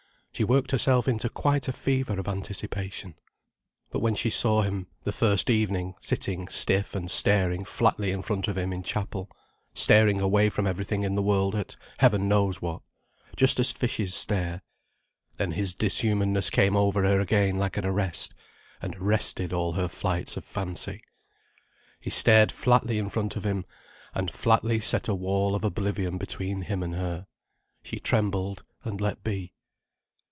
She worked herself into quite a fever of anticipation. But when she saw him, the first evening, sitting stiff and staring flatly in front of him in Chapel, staring away from everything in the world, at heaven knows what—just as fishes stare—then his dishumanness came over her again like an arrest, and arrested all her flights of fancy. He stared flatly in front of him, and flatly set a wall of oblivion between him and her. She trembled and let be.